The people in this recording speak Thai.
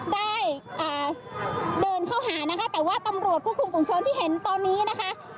ได้เดินเข้าหานะคะแต่ว่าตำรวจควบคุมฝุงชนที่เห็นตอนนี้นะคะ